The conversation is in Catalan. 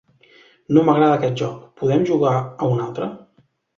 No m'agrada aquest joc, podem jugar a un altre?